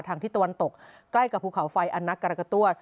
ที่ตะวันตกใกล้กับภูเขาไฟอันนักกรกต้ว